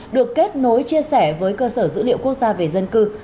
được kết nối chia sẻ với cơ sở dữ liệu quốc gia về dân cư